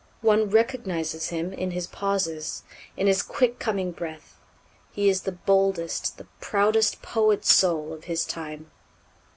One recognizes him in his pauses, in his quick coming breath. He is the boldest, the proudest poet soul of his time."